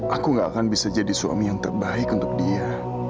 aku gak akan bisa jadi suami yang terbaik untuk dia